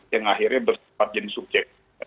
yang akhirnya bersifat jadi subjek